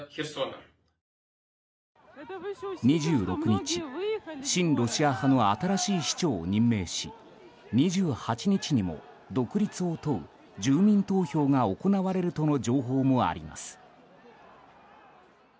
２６日、親ロシア派の新しい市長を任命し２８日にも独立を問う住民投票が行われるとの情報もあります。